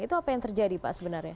itu apa yang terjadi pak sebenarnya